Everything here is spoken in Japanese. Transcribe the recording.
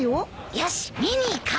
よし見に行こう。